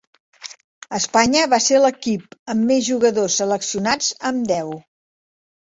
Espanya va ser l'equip amb més jugadors seleccionats amb deu.